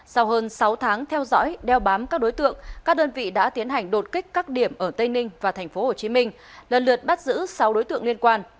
sau hơn sáu tháng theo dõi đeo bám các đối tượng các đơn vị đã tiến hành đột kích các điểm ở tây ninh và tp hcm lần lượt bắt giữ sáu đối tượng liên quan